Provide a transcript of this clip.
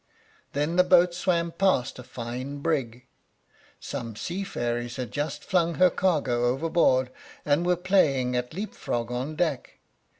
Then the boat swam past a fine brig. Some sea fairies had just flung her cargo overboard, and were playing at leap frog on deck.